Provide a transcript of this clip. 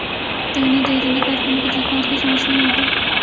تو انہیں دیرینہ کارکنوں کے جذبات کو سمجھنا ہو گا۔